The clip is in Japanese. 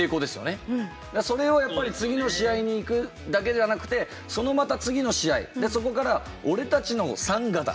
それをやっぱり次の試合に行くだけじゃなくてそのまた次の試合でそこから「俺たちのサンガだ」